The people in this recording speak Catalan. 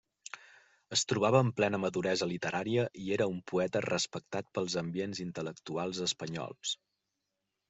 Es trobava en plena maduresa literària i era un poeta respectat pels ambients intel·lectuals espanyols.